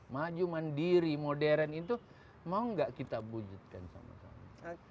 maju mandiri modern itu mau nggak kita wujudkan sama sama